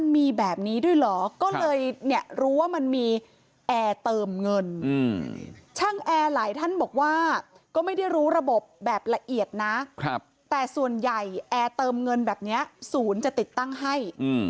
แต่ส่วนใหญ่แอร์เติมเงินแบบนี้๐จะติดตั้งให้